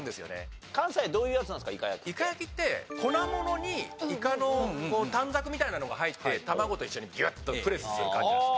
イカ焼きって粉ものにイカの短冊みたいなのが入って卵と一緒にギュッとプレスする感じなんですよ。